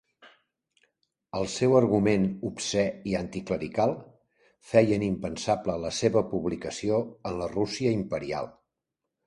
El seu argument obscè i anticlerical feien impensable la seva publicació en la Rússia Imperial.